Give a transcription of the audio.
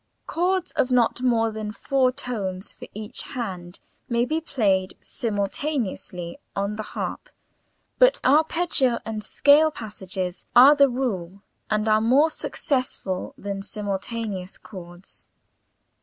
Chords of not more than four tones for each hand may be played simultaneously on the harp, but arpeggio and scale passages are the rule, and are more successful than simultaneous chords.